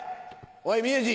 おい宮治